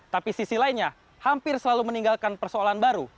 tapi sisi lainnya hampir selalu meninggalkan persoalan baru